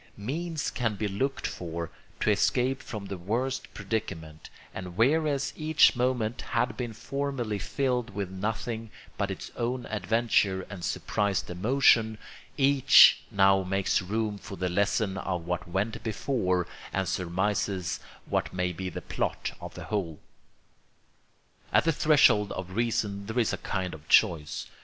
Means can be looked for to escape from the worst predicament; and whereas each moment had been formerly filled with nothing but its own adventure and surprised emotion, each now makes room for the lesson of what went before and surmises what may be the plot of the whole. At the threshold of reason there is a kind of choice.